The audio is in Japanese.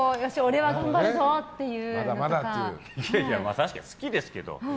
確かに好きですけど。